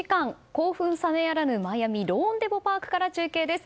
興奮冷めやらぬマイアミのローンデポ・パークから中継です。